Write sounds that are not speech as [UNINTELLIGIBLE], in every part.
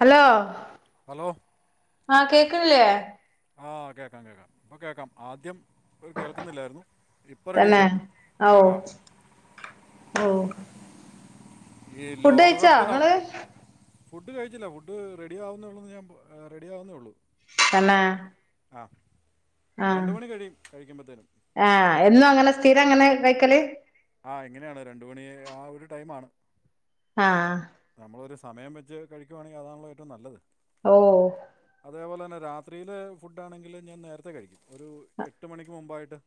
Hello hello ആ കേക്കണില്ലേ ആ കേൾക്കാം കേൾക്കാം അപ്പോൾ കേൾക്കാം ആദ്യം കേൾക്കുന്നില്ലായിരുന്നു ഇപ്പൊ തന്നെ റെഡിയാണ് ഓ ആ ഓ ഈ ഫുഡ് കയിച്ചാ ലോകകപ്പ് ന നിങ്ങള് ഫുഡ് കഴിച്ചില്ല ഫുഡ് റെഡിയ ആാവുന്നേള്ളന്ന് ഞാൻ റെഡിയ ആാവുന്നേ ഉള്ളൂ എന്ന ആ രണ്ടു മണി കഴിയും കഴിക്കുമ്പത്തേനും ആഹ് എന്നും അങ്ങനെ സ്ഥിരം അങ്ങനെ വയ്ക്കല് ആ എങ്ങനെയാണ് രണ്ട മണി ആ ഒരു ടൈ ആണ് ആ നമ്മളൊരു സമം വെച്ച് കഴിക്കുവാണെങ്കിൽതാണല്ല ഏറ്റവും നല്ലത് ഓ അതേപോലെ തന്നെ രാത്രിയിലെ ഫുഡ് ആണെങ്കിൽ ഞാൻ നേരത്തെ കഴിക്കും ഒരു എട്ട് മണിക്ക് മുമ്പായിട്ട്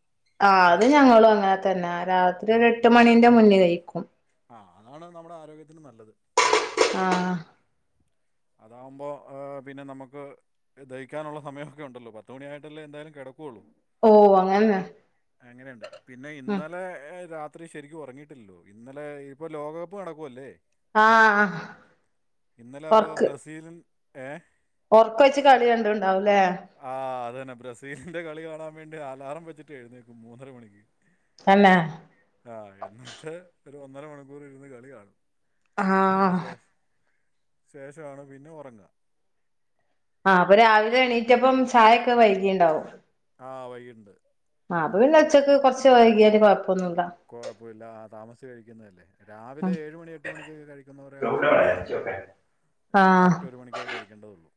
ആ അത് കഴിക്കും ഞങ്ങളും അങ്ങനെ തന്നെ രാത്രി ആ ഒരു എട്ട് മണിന്റെ മുന്നിൽ കഴും ക്ക [INAUDIBLE] ആ അതാണ് നമ്മുടെ ആരോഗ്യത്തിനന് നല്ലത് അല്ലെ ആ അതാവുമ്പോ പിന്നെ നമുക്ക് ദഹിക്കാനുള്ള സമയൊക്കെ ഉണ്ടല്ലോ പത്തുമണിയായിട്ടല്ലേ എന്തായാലും കെടക്ക കൊള്ളൂ ഓ അങ്ങനെ അങ്ങനെയുണ്ട് പിന്നെ ഉം ഇന്നലെ രാത് അത്രയും ശരിക്കും ഒറങ്ങിയിട്ടില്ലല്ലോ ഇന്നലെ ഇപ്പൊ ലോകകപ്പ് നടക്കുവല്ലേ ആ ഇന്നലെ അപ്പോൾ വർക്ക് [UNINTELLIGIBLE] ഏ? ഒറക്കൊഴിച്ച് കളി കണ്ടിണ്ടാവും. ആ അതന്നെ ബ്രസീലിന്റെ കളി കാണാൻ വേണ്ടി അലാറം വെച്ചിട്ട് എഴുന്നേക്കും മൂന്നര മണിക്ക്. തന്നെ ആ എന്നിട്ട് ഒരു ഒന്നര മണിക്കൂറിരുന്ന് കളി കാണും ആ അതിന് ശേഷം ശേഷമാണ് പിന്നെ ഒറങ്ങാ ആ അപ്പൊ രാവിലെ എണീറ്റപ്പം ചായൊക്കെ വൈകീണ്ടാവും ആഹ് വൈകീണ്ട് ആ അത് പിന്നെ ഉച്ചയ്ക്ക് കൊറച്ച് വൈകിയാലും കൊഴ കൊഴപ്പൊല്ല ആ താമസിച്ച് കഴി ഇന്നലെ രാവിലെ ഉം ഏഴ് മണി എട്ട് മണിക്കൊക്കെ കഴിക്കുന്നവരെ ഗ്രൂപ്പിലൂടെ ആണെങ്കിലേ ഉള്ളൂ അയച്ചോക്കെ ആഹ് കറക്റ്റ് ഒരു മണിക്കൊക്കെ കഴിക്കേണ്ടതുള്ളൂ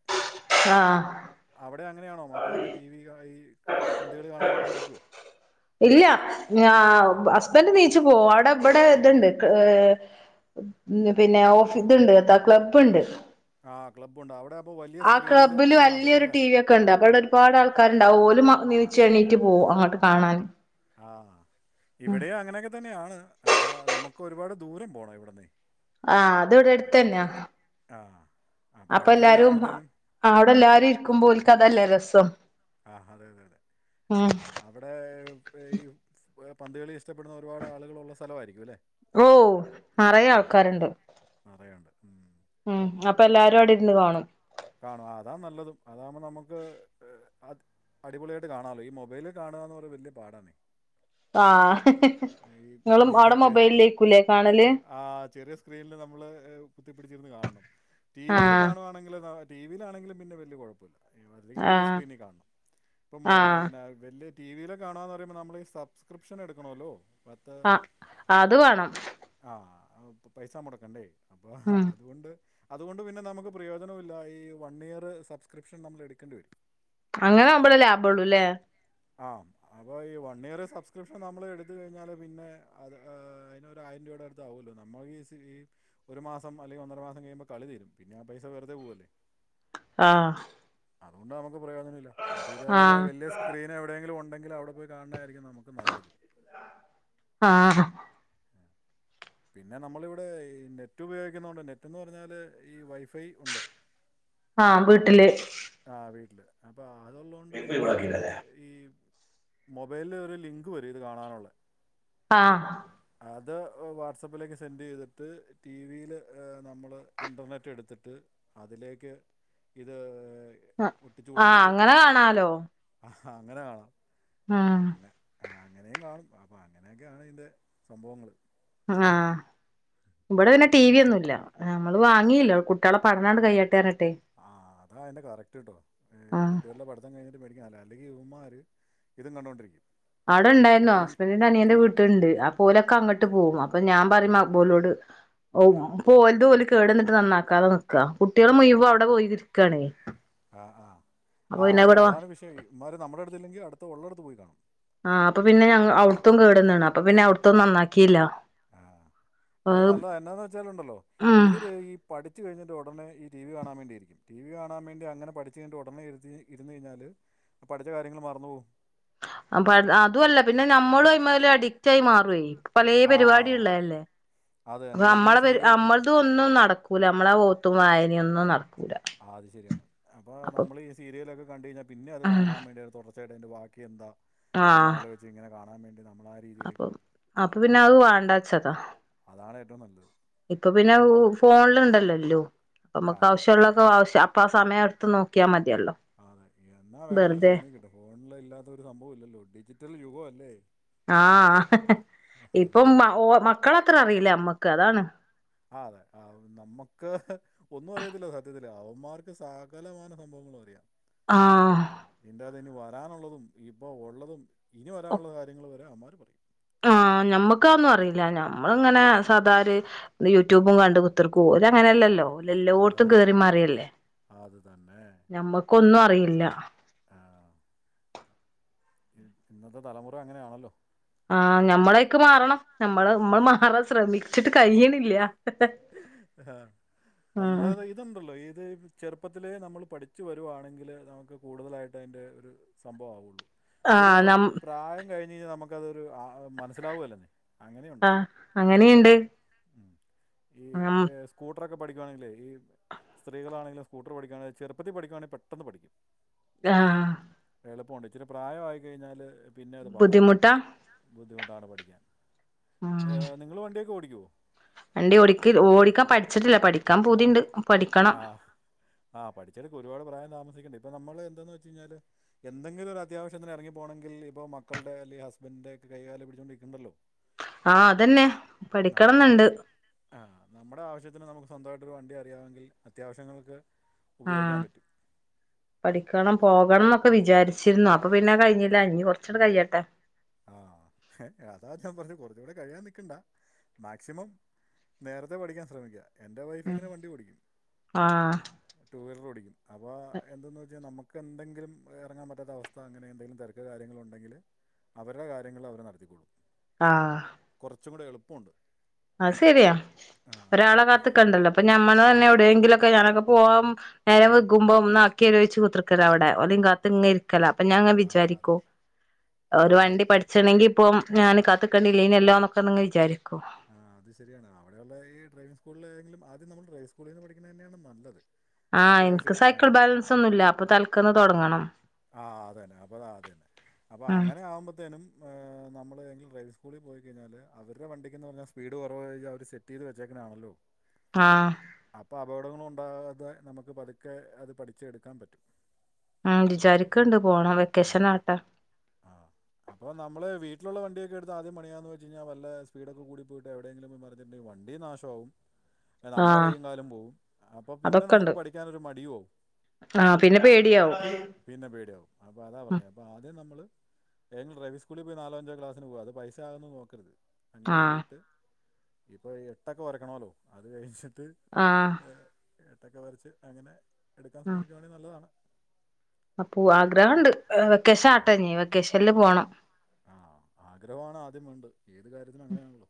ആഹ് അവിടെ അങ്ങനെയാണോ മക്കളൊക്കെ ടി വി ആ ഈ പന്തുകളി കാണാനായിട്ട് ഇരിക്കോ ഇല്ല ഞാ ബ് ഹസ്ബൻഡറ് നീച്ചു പോവാൻ ട അബടെ ഇത്ണ്ട് ക്ക് എ പിന്നെ ഓഫീത്ണ്ട് ത ക്ലബ് ഇണ്ട് ആ ക്ലബുണ്ട് അവിടെ അപ്പോൾ വലിയ ആ സ്ക്രീനിൽ ക്ലബ്ബില് കാണാൻ പറ്റും വലിയൊരു അല്ലേ ടി വി ഒക്കെ ഒണ്ട് അപ്പ അവിടെ ഒരുപാട് ആൾക്കാരുണ്ടാവു ഓലുമാ നീച്ച് എണീറ്റ് പോകും അങ്ങോട്ട് കാണാൻ ആ ഉം ഇവിടെ അങ്ങനേക്കെ തന്നെയാണ് അപ്പൊ നമ്മു ക്ക് ഒരുപാട് ദൂരം പോണം ഇവിടുന്നേ ആ അത് ഇവിടത്തന്നാ ആ അപ്പോൾ അപ്പൊ അടുത്ത് തന്നെ എല്ലാരും അ ആകുമ്പോഴത്തേനും അവിടെ എല്ലാരും ഇരിക്കുമ്പോ ഓല്ക്ക് അതല്ലെ രസം ഒ ആ അതെ അതെ ആ അവിടെ ഇത്രയും ഏ പന്തുകളി ഇഷ്ടപ്പെടുന്ന ഒരുപാട് ആളുകളുള്ള സ്ഥലവായിരിക്കു അല്ലേ ഓ നറയെ ആ ആ ആൾക്കാരിണ്ട് ആ നിറയുണ്ട് ഉം ഉം അപ്പ എല്ലാരും അവിടെ ഇരുന്ന് കാണും കാണും ആ അതാ നല്ലതും അതാവുമ്പോ നമുക്ക് എ അത് അടിപൊളിയായിട്ട് കാണാല്ലോ ഈ മൊബൈല് കാണാന്നു പറയുന്ന വലിയ പാടാന്നേ. ആഹ് ഈ നിങ്ങളും ഇഹ് അവിടെ ചെ മൊബൈലിലേക്കൂലേ കാണല് ആ ചെറിയ സ്ക്രീനില് നമ്മള് എ് കുത്തിപ്പിടിച്ചിരുന്ന് കാണണം ടിവിയിൽ ആഹ് കാണുവാണെങ്കിൽ ന ടി വിയിലാണെങ്കിലും പിന്നെ വല്യ കൊഴപ്പുല്ല. ഈ വ അല്ലെങ്കി വല്യ ആഹ് സ്ക്രീനി കാണണം ഇപ്പൊ മോ ആഹ് പിന്ന വല്യ ടി വിലെ കാണാന്ന് പറയുമ്പ നമ്മള് സബ്സ്ക്രിപ്ഷൻ എടുക്കണോല്ലോ. ആ അത് വേണം. ആ പ പൈസ മൊടക്കണ്ടേ? ആഹാ ഉം അതുകൊണ്ട് അതുകൊണ്ട് പിന്ന നമുക്ക് പ്രയോജനോം ഇല്ല ഈ ഈ വൺ ഇയറ് സബ്സ്ക്രിപ്ഷൻ നമ്മൾ എടുക്കണ്ടി വരും. അങ്ങനെ ആവുമ്പഴേ ലാഭൊള്ളുല്ലേ? ആ അപ്പൊ ഈ വൺ ഇയറ് സബ്സ്ക്രിപ്ഷൻ നമ്മൾ എടുത്ത് കഴിഞ്ഞാല് പിന്നെ അത് ആ അതിനൊരു ആയിരം രൂപയുടെ അടുത്ത് ആവൂല്ലോ നമ്മള് ഈ സി ഈ ഒരു മാസം അല്ലെങ്കിൽ ഒന്നര മാസം കഴിയുമ്പോ കളി തീരും പിന്നെ ആ പൈസ വെറുതെ പൂവല്ലേ. ആ അതുകൊണ്ടാണ് ഇപ്പോപ്രയോജനുല്ല അപ്പഴ് ഇതേപോലെ ആഹ് വല്യ സ്ക്രീന് എവിടെയെങ്കിലു ഒണ്ടെ ങ്കിൽ അവിടെ പോയി കാണണായിരിക്കും ന ആഹ് പിന്നെ നമ്മളിവിടെ ഈ നെറ്റ് ഉപയോഗിക്കുന്നോണ്ടല്ലേ നെറ്റ്ന്ന് പറഞ്ഞാല് ഈ വൈഫൈ ഒണ്ട്. ആ വീട്ടില് ആ വീട്ടില് അപ്പ അതൊള്ളോണ്ട് പിന്ന നമക്ക് ഈ മൊബൈലില് ഒരു ലിങ്ക് വരും ഇത് കാണാനുള്ള ആഹ് അത് വാട്സാപ്പ്ലേക്ക് സെൻഡ് ചെയ്തിട്ട് ടി വിയില് നമ്മള് ഇൻറർനെറ്റ് എടുത്തിട്ട് അതിലേക്ക് ഇത് ആ ഒട്ടിച്ചു ആ അങ്ങനെ കാണാലോ ആ അങ്ങനെ കാണാം ആഹ് അങ്ങനെ ആ, അങ്ങനെയും കാണും അപ്പൊ അങ്ങനെയൊക്കെയാണ് ഇത് സംഭവങ്ങള് ആ വടെ പിന്നെ ടി വി ഒന്നുല്ല നമ്മള് വാങ്ങിയില്ല കുട്ട്യേളെ പഠനാണ്ട് കയ്യട്ടെ ർഞ് ആ അതാ അതിന്റെ കറക്റ്റ് ട്ടോ ആഹ് കുട്ടികളടെ പഠത്തം കഴിഞ്ഞിട്ട് മേടിക ല്ലെങ്കി ഇവൻമാര്ഇതും കണ്ടൊണ്ടിരിക്കും. അടെ ണ്ടായ്ര്ന്നോ ഹസ്ബൻഡിന്റെ അനിയന്റെ വീട്ട്ണ്ട് അപ്പൊ ഓലക്ക അങ്ങട്ട് പോവും അപ്പൊ ഞാൻ ആ പറിം മക്ബോലോട് ഓ ഏ, പോൽതോല് കേടന്നിട്ട് നന്നാക്കാതെ നിക്ക കുട്ട്യേള് ആ മുഴുവം അവിടെ പോയിതിരിക്കയാണേ. ആ ആ ആ അതെ അതാണ് വിഷയം ഇവൻമാര് നമ്മടെ അട്ത്തില്ലെങ്കി അട്ത്ത് ഉള്ളട്ത്ത് പോയി കാണും. ആ അപ്പൊ പിന്നെ ഞങ്‌ അവിട്ത്തും കേടന്ന്ണ് അപ്പൊ പിന്നെ അവ്ട്ത്തൊ നന്നാകീല്ല ആഹ് അത് നല്ലത് എന്നാന്ന് വെച്ചാലുണ്ടല്ലോ ഇവര് ഈ പഠിച്ചു കഴിഞ്ഞിട്ട് ഉ ഉടനെ ഈ ടി വി കാണാൻ വേണ്ടിയിരിക്കും, ടി വി കാണാൻ വേണ്ടി അങ്ങനെ പഠിച്ച് കഴിഞ്ഞിട്ട് ഉടനെ ഇരുത്തി ഇരുന്നു കഴിഞ്ഞാല് പഠിച്ച കാര്യങ്ങള് മറന്ന്പോകും. അപ്പ അത് അതുഅല്ല പിന്നെ നമ്മളുഅയിമേലടി റ്റായി മാറുവേ. പള്ളി ആ പരിപാടിയുള്ളല്ലേ? അത് അപ്പൊ തന്നെ ഈ നമ്മളെ പരു സീരിയൽ നമ്മളത് ഒന്നും നടക്കൂല. നമ്മളെ ഓത്തും വായന ഒന്നും നട ആ അത് ശരിയാണ് അപ്പൊ നമ്മളി ഈ സീരിലൊക്കെ കണ്ട് കഴിഞ്ഞ പിന്നെ അത് കാണാൻ വേണ്ടിയ തുട ചേട്ട ഇന്റെബാക്കി എന്താ? ആ എന്ന ആലോച്ചിങ്ങനെ കാണാൻ വേണ്ടി ന അപ്പൊ അപ്പൊ പിന്നെ അഅ് വേണ്ടച്ചതാ അതാണ് ഏറ്റവും നല്ലത് ഇപ്പൊ പിന്നെ ഫോണില്ണ്ടല്ലോ എല്ലോം ആ അമ്മക്ക് അതെ ഈ ആവശ്യള്ളതൊ ആവശ്യ അപ്പ ആഹ് സമയ ത് നോക്കിയാ മതി ആഹ് അതെ എന്നാ വേണെങ്കിലും ഫോണി കിട്ടും ഫോണില് ഇല്ലാത്ത ഒരു സംഭവ ഇല്ലല്ലോ ഡിജിറ്റൽ യുഗ അ ല്ലേ ആഹ് അതെ ഇപ്പംഓ മക്കള് അത്ര അറിയില്ല ന്നമ്മക്ക് അതാണ് ആ അതെ ആ നമുക്ക് ഒന്നും അറിയത്തില്ല സത്യത്തിൽ അവന്മാർക്ക് സകലമാന സംഭവങ്ങളും അറിയാം ആഹ് ഇന്തതന്നെ വാ- താനുള്ളതും ഇപ്പോ ഒള്ളതും ഇനി വരാനുള്ള കാര്യങ്ങൾ വരെ അവമ്മാ ആഹ് ഞമ്മുക്കഒന്നും അറീല്ല ആ ഞമ്മള്ങ്ങനെ സാദാര് ണ്ട് യൂട്യൂബും കണ്ട് കുത്തർക്കും. ആ ഓലെങ്ങനല്ലല്ലോ ഓലെല്ലോടത്തും അതെ കേറി മറിയല്ലേ. അത് തന്നെ ഞമ്മക്കൊന്നും അറിയില്ല ആ ഇന്നത്തെ തലമുറ അങ്ങനെയാണല്ലോ. ആഹ് ഞമ്മള അയ്ക്ക് മാറണം നമ്മള് നമ്മൾ മാറാൻ ശ്രമിച്ചിട്ട് കഴിയ്ണില്ല ആഹ് ഉം നമ്മള ഇത്ണ്ടല്ലോ ഇത് ചെറുപ്പ് പ്പത്തിലേ നമ്മൾ പഠിച്ച് വരുവാണെങ്കില് നമക്ക് കൂടുതലായിട്ട് അയ്ൻ്റെ ഒരു സംഭവാവൊള്ളൂ ഒരു ആഹ് നം പ്രായം കഴിഞ് കഴിഞ്ഞാൽ നമുക്കതൊരു മനസ്സിലാവുകേല്ലന്നേ. ആഹ് അങ്ങനീണ്ട്. ആ മ് ട്ടൊക്കെ പഠിക്കുയാണെങ്കിൽ ഈ സ്ത്രകളാണെങ്കില സ്കൂർ പിക്കുയാണെങ്ക ചെറുപ്പ പിക്കുണെങ്കി പെട്ടന്ന് പഠിക്കും ആ എളുപ്പമുണ്ട് ഇച്ചിരി പ്രായം ആയി കഴിഞ്ഞാല്...... പിന്നെ അത് പാടാ ബുദ്ധിമുട്ടാ ബുദ്ധിമുട്ട് ന്താണ് പഠിക്കാൻ... ഉം നിങ്ങളവണ്ടിയൊക്ക് ഓടിക്ക..... യോ [INAUDIBLE] വണ്ടി ഓടി ക്ക ഓടിക്കാൻ പഠിച്ചിട്ടില്ല പഠിക്കാൻ പൂതിണ്ട് പഠിക്കണം ആഹ് ആഹ പഠിച്ചെടുക്ക് ഒരുപാട് പ്രായം താമസിക്കണ്ടണ്ട് ഇപ്പൊ നമ്മള്... എന്താന്ന് വെച്ച് കിഞ്ഞാല് എന്തെങ്കിലും ഒരു അത്യാവശംങ്ങെ ഇറങ്ങി പോണമെങ്ക ഇപ്പോ മക്കളുടെ അല്ലെങ്ക ഹസ്ബൻഡന്റെ ഒ കൈകാലം പിടിച്ചൊണ്ടിരിക്കുന്നുണ്ടല്ലോ ആഹ് അതന്നെ നമ്മുടെ പഠിക്കണംന്നുണ്ട് ആവശ്യ ആ നമ്മുടെ ആവശ്യത്തിന് നമുക്ക് സ്വന്ത..... വണ്ടി അറിയാവമങ്കിൽ അത്യാവശ്യങ്ങൾക്ക് ഉപയോഗിക്കാൻ പറ്റും ക്കണം പോകണം എന്നൊക്കെ വിചാരിച്ചിരുന്നു അപ്പൊ പിന്നെ കഴിഞ്ഞില്ലഞ്ഞു കുറച്ചൂ കഴിയട്ടെ ആഹ അതാ ഞാൻ പറഞ്ഞു കുറച്ചുകൂടെ കഴിയാൻ നിിക്കണ്ടാ മാക്സിമം നേരത്തെ പഠിക്കാൻ ശ്രമിക്ക... എൻ്റെ വൈഫ ഉം ഇങ്ങനെ വണ്ടി ഓടിക്കും ആഹ് ടടു വീലർ ഓടിക്കും അപ്പൾ എന്തെന്ന് വെച്ചാൽ നമുക്ക് എന്തെങ്കിലും ഇറങ്ങാൻ പറ്റാത്ത അവസ്ഥ അങ്ങനെ എന്തെങ്കിലും തിരക്ക് കാര്യങ്ങളുണ്ടെങ്കില് അവരുടെ കാര്യങ്ങൾ അവർ നടത്തിക്കോളും ആ ച്ചും കൂടെ എളുപ്പമുണ്ട് അത് ശരിയാ ആ ഒരാളെ കാത്തിക്കണ്ടല്ലോ അപ്പൊ ഞമ്മള് ആ തന്നെ എവിടെങ്കിലൊക്കെ ഞാനൊക്കെ പോവാൻ നേരം നിക്കുമ്പം നാക്കലൊരു [UNINTELLIGIBLE] അവിടെ [UNINTELLIGIBLE] കാത്ത് ആ ഇങ്ങ് ഇരിക്കല അപ്പൊ ഞാനങ് ആ വിചാരിക്കോ ആ, ഒരു അതാണ് വണ്ടി പഠിച്ചാണെങ്കി ഇപ്പം ഞാന് കത്തിക്കണ്ടില്ല ഇതിനെല്ലാന്നൊക്കെ നിന്ന് വിചാരിക്കും ആ അത് ശരിയാണ് അവിടെയുള്ള ഈ ഡ്രൈവിംഗ് സ്കൂളിൽ ഏതെങ്കിലും ആദ്യം നമ്മൾ ഡ്രൈവിങ് സ്കൂളിൽ നിന്ന് പഠിക്കുന്നത് തന്നെയാണ് നല്ലത്. ആ എനിക്ക് അത്യാവശ്യമേ ആ സൈക്കിൾ ബാലൻസ് ഒന്നൂല്ല അപ്പൊ തൽക്കലം തുടങ്ങണം ആ അതന്നെ അപ്പൊത അതന്നെ അപ്പൊ ഉം അങ്ങനെയാകുമ്പത്തേനും ആവുമ്പോത്തേനും നമ്മൾ എങ്കിലും ഡ്രൈവിംഗ് സ്കൂളിൽ പോയികഴിഞ്ഞാല് അവരുടെ വണ്ടിക്കെന്ന് പറഞ്ഞാൽ സ്പീഡ് കുറവ് കഴിഞ്ഞാൽ അവർ സെറ്റ് ചെയ്ത് വെച്ചേക്കണയാണല്ലോ ആ അപ്പോൾ അപകടമൊന്നും ഉണ്ടാകാതെ നമുക്ക് പതുക്കെ അത് പഠിച്ചെടുക്കാൻ പറ്റും ആ വിചാരിക്കണ്ട് പോണം ആ വെക്കേഷൻ ആകട്ടെ ആഹ് ഇത് ആദ്യ പണിയാമെന്ന് വെച്ച് കഴിഞ്ഞൽ വല്ല സ്പീഡൊക്കെ കൂടി പോയിട്ട് എവിയെങ്കിലും മറിഞ്ഞിട്ടുണ്ടെങ്കിൽ വണ്ടിയും നാശമാവും നമ്മുടെ ആഹ് കൈയ്യും കാലും പോവും അപ്പൊ പിന്നെ നമുക്ക് അതൊക്കെണ്ട് പഠിക്കാനൊരു മടിയും ആവും ആഹ് പിന്നെ പേടിയാവും പിന്നെ പേടിയാവും അപ്പൊ അതാ ഉം പറഞ്ഞത് അപ്പ ആദ്യം നമ്മള് ഏതെങ്കിലും ഡ്രൈവിംഗ് സ്കൂളിൽ പോയി നാലോ അഞ്ചോ ക്ലാസിന് പോവാ. അത് പൈസ ആകുന്നത് നോക്കരുത്. അങ്ങനെ ആഹ് പോയിട്ട് ഇപ്പൊ എട്ടൊക്കെ വരയ്ക്കണോല്ലോ അത് കഴിഞ്ഞ് ആഹ് ഏട്ടൊക്കെ വരച്ച് അങ്ങനെ എടുക്കാൻ ശ്രമിക്കുവാണെങ്കി നല്ലതാണ്. അപൂ ആഗ്രഹണ്ട് വെക്കേഷൻ ആട്ടെ ആഹ് ഞ് വെക്കേഷൻല് പോണം. ആഹ് ആഗ്രഹമാണ് ആദ്യം വേണ്ടത് ഏത് കാര്യത്തിനും അങ്ങനെയാണല്ലോ.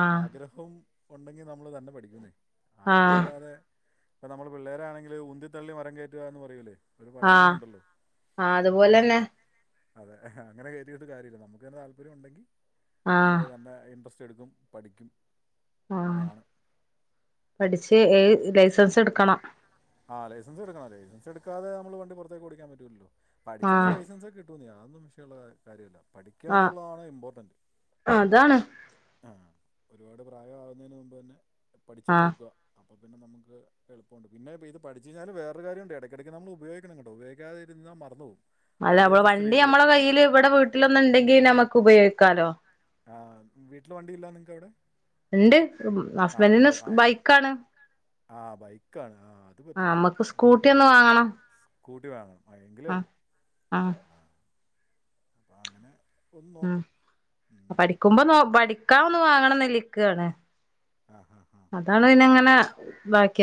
ആഹ് ആഗ്രഹം ഉണ്ടെങ്കിൽ നമ്മൾ തന്നെ പഠിക്കൂന്നേ ആഗ്രഹം ആഹ് ഇല്ലാതെ അപ്പം നമ്മള് പിള്ളേരാണെങ്കില് ഉന്തിത്തള്ളി മരം കയറ്റുക എന്ന് പറയൂലേ ഒരു ആ പഴമൊഴി ഉണ്ടല്ലോ ആ അതുപോലെ ത- തന്നെ അതെ അങ്ങനെ ട്ട് കാര്യമില്ല നമുക്ക് അത് താൽപര്യം ഉണ്ടങ്കിൽ ആഹ് നമ്മള് തന്നെ ഇന്ട്രെസ്റ്റ് പഠിച്ചെടുക്കും പഠിക്കും അങ്ങനെയാണ് ഏ ഏ ലൈസൻസ് എടുക്കണം ആ ലൈസൻസ് എടുക്കണം ലൈസൻസ് എടുക്കാത നമ്മള് വണ്ടി പുറത്തേക്ക് ഓടിക്കാൻ പറ്റൂല്ലാല്ലോ പഠിച്ചക്കഴിഞ്ഞാ ആഹ് ലൈസെൻസ്ഒക്കെ കിട്ടു [UNINTELLIGIBLE] ഒന്നും വിഷയമുള്ള കാര്യമല്ല പഠിക്കുക ആഹ് എന്നുള്ളതാണ് ഇമ്പോർട്ടന്റ് അതാണ് ആ- ഒരുപാട് പ്രായമാവുന്നതിന് മുമ്പ് തന്നെ- പഠിച്ച് അങ്ങ് ആഹ് വെക്കുവാ ഇപ്പ പിന്നെ നമുക്ക് എളുപ്പണ്ട് പിന്നെ ഇപ്പോ ഇത് പഠിച്ചുക്കഴിഞ്ഞാ വേറെരു കാര്യണ്ട് ഇടക്കിടക്ക് നമ്മള് ഉപയോഗിക്കണം കേട്ടോ ഉപയോഗാതിരിന്നാ മറന്നുപോവും അല്ല വണ്ടി നമ്മുടെ കയ്യില് ഇവിടെ വീട്ടില്ലോന്നുണ്ടെങ്കിൽ നമുക്ക് ഉപയോഗിക്ക- ക്കാലോ ആഹ് വീട്ടില് വണ്ടി ഇല്ലാ നിങ്ങക്കവിടെ ഇണ്ട് ആഹ് ഹസ്ബൻഡിന് ഉണ്ട് ആഹ് ബൈക്കാണ് ആ ബൈക്കാണ് ആഹ് അത് ആ പറ്റില്ല നമ്മക്ക് സ്കൂട്ടി നമുക്ക് ഒന്ന് വാങ്ങണം സ്കൂട്ടി വേണം എങ്കിലേ ആ ഉള്ളു ആ ആഹ് എന്നാ അങ്ങനെ ഒന്ന് ഉം നോക്ക് ഉം പഠിക്കുമ്പോ നോക്ക് പടി ക്കാന്ന് വാങ്ങണന്നലിക്കാണ് ആഹ് ആഹ് ആഹ് അതാണ് പിന്നങ്ങനെ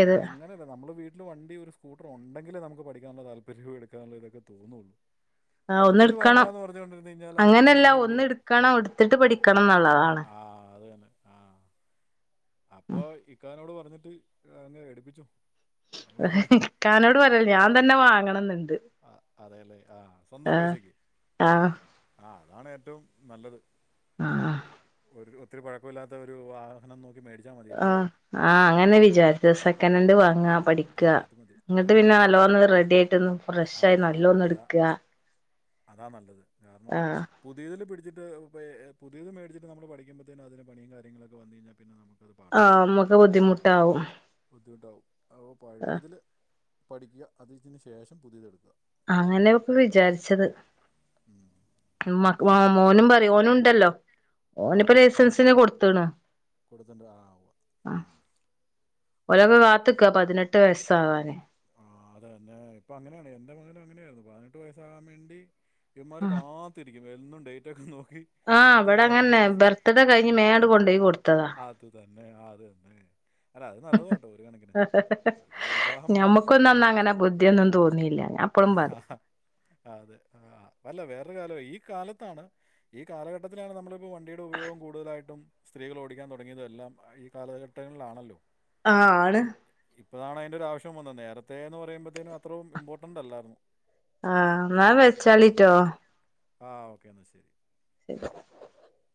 അല്ല അങ്ങനെയല്ല നമ്മളെ വീട് ട്ടിൽ വണ്ടി ഒരു സ്കൂട്ടർ ഒണ്ടെങ്കിലേ നമുക്ക് പഠിക്കാനുള്ള താല്പര്യവും എടുക്കാനുള്ള ഇതൊക്ക തോന്നൂ ആ ഒന്ന് ഇട്ക്കണം കഴിഞ്ഞാൽ അങ്ങനെല്ല അതങ്ങനെ ഒന്ന് പോവുള്ളൂ ഇട്ക്കണം ഇട്ത്തിട്ട് പഠിക്കണം ന്ന്ള്ളതാണ് ആ അത് തന്നെ ആ അപ്പൊ ഇക്കാനോട് പറഞ്ഞി ട്ട് [UNINTELLIGIBLE] എട്പ്പിച്ചോ ഇക്കാനോട് പറയല്ല ഞാൻ തന്നെ വാങ്ങണന്ന്ണ്ട് ആ അതെല്ലേ ആ സ്വന്തം പൈസക്ക് ആ ആ അതാണ് ഏറ്റവും നല്ലത് ആ ആ ഒത്തിരി പഴക്കല്ലാത്ത ഒരു വാഹനം നോക്കി മേടിച്ചാൽ ആ മതിയല്ലോ ആ അങ്ങനെ വിചാരിച്ച് സെക്കനന്റ് വാങ്ങാൻ ങ്ങാം ആ പഠിക്കാ അത് മതി ന്നിട്ട് അത് പിന്നെ മതി നല്ലോന്ന് റെഡി ആയിട്ടൊന്ന് ഫ്രഷ് ആ ആയി നല്ല ഒന്ന് അതാ ഇട്ക്കാ അതാ നല്ലത് കാരണം പുതിയതില് പിടിച്ചി ഇ പുതിയത് മേടിച്ചിട്ട് നമ്മള് പഠിക്കുമ്പത്തേന് അതിന് പണിയും കാര്യങ്ങളൊക്കെ വന്ന് കഴിഞ്ഞ പിന്നെ നമ ആ മ്മക്ക് ബുദ്ധിമുട്ടാവും ട്ടാവും അപ്പോ ആ പഴേതില് പഠിക്കുക അത് [UNINTELLIGIBLE] ശേഷം പുതിയതെടുക്ക അങ്ങനെയൊക്കെ വിചാരിച്ചത് മ മോനും പറയും ഓനുംണ്ടല്ലോ ആ ഓനിപ്പോ ഹാ ഹാ ലൈസൻസിന് കൊടുത്ത്ണ് കൊടുത്തിട്ട് ആ ഉവ്വ. ആ ഉം ഓരൊക്ക്കെ കാത്ത്ക്ക പതിനെട്ട് വയസ് [UNINTELLIGIBLE] ആ അതെന്നെ ഇപ്പൊ അങ്ങനെയാണ് എന്റെ മകനും അങ്ങനെയായിരുന്നു പതിനെട്ട് വയസ്സാകാൻ വേണ്ടി ഇവൻമാര് കാത്തിരിക്കും എന്നും ഡേറ്റൊക്കെ നോ ആഹ് ഇവിടെ അങ്ങന്നെ പതിനെട്ടവയസ്സ് ബർത്ത്ഡേ കഴിഞ്ഞ് മേങ്ങട് കൊണ്ടോയി കൊടുത്തതാ അത് തന്നെ അത് തന്നെ അല്ല അത് നല്ലത കേട്ടോ ഒരു കണക്കിന് അവർക്കൊരു ഉത്സാഹം വേണം പ്പൊന്നൊന്നും അങ്ങനെ ബുദ്ധിഒന്നും തോന്നില്ല അതെ ആ വല്ല വേറൊരു കാലം ഈ കാലത്താണ് ഈ കാലഘട്ടത്തിലാണ് നമ്മള് പ്പോ വണ്ടിയുടെ ഉപയോഗം കൂടുതലായിട്ടും സ്ത്രീകൾ ഓടിക്കാൻ തുടങ്ങിയതെല്ലാം ഈ കാലഘട്ടങ്ങളിലാണല്ലോ ആഹ ആണ് ഇപ്പതാണ്തിന്റെ ഒരു ആവശ്യം വന്ന നേരത്തേ എന്ന് പറയുമ്പോത്തേനും അത്ര ഇബോർ ട്ടണ്ടല്ലായിരുന്നു ആഹ് എന്നാ വെച്ചളിട്ടോ ആ ഓക്കേ എന്നാൽ ശരി ശരി [INAUDIBLE]